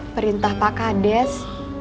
perintah pak kades